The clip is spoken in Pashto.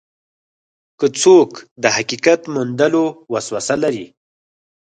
که څوک د حقیقت موندلو وسوسه لري.